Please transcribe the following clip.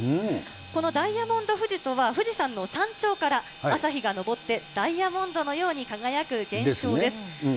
このダイヤモンド富士とは、富士山の山頂から朝日が昇ってダイヤモンドのように輝く現象です。